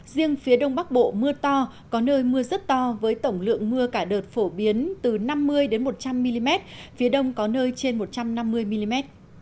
riêng phía đông bắc bộ mưa to có nơi mưa rất to với tổng lượng mưa cả đợt phổ biến từ năm mươi một trăm linh mm phía đông có nơi trên một trăm năm mươi mm